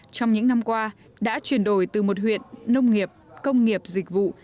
trong những năm qua đã chuyển đổi từ một huyện nông nghiệp công nghiệp dịch vụ